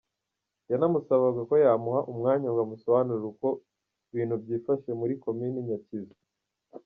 Yanamusabaga ko yamuha umwanya ngo amusobanurire uko ibintu byifashe muri Komini Nyakizu.